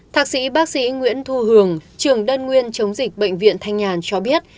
thạc sĩ bác sĩ nguyễn thu hường trưởng đơn nguyên chống dịch bệnh viện thanh nhàn cho biết